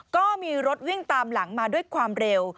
ก็มีรถวิ่งตามหลังมาด้วยความเร็ว